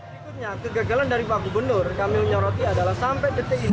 berikutnya kegagalan dari pak gubernur kami menyoroti adalah sampai detik ini